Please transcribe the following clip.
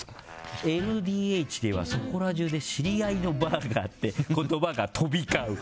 ＬＤＨではそこらじゅうで知り合いのバーがあって言葉が飛び交う。